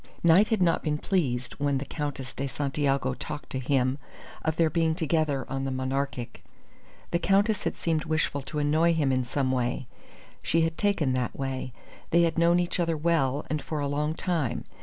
Knight had not been pleased when the Countess de Santiago talked to him of their being together on the Monarchic. The Countess had seemed wishful to annoy him in some way. She had taken that way. They had known each other well and for a long time.